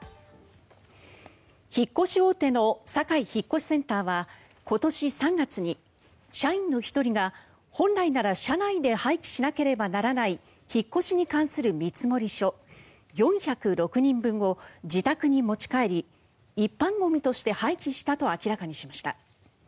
引っ越し大手のサカイ引越センターは今年３月に社員の１人が本来なら社内で廃棄しなければならない引っ越しに関する見積書４０６人分を自宅に持ち帰り一般ゴミとして廃棄したと明らかにしました。